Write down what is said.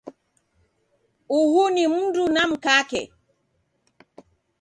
Uhu ni mundu na mkake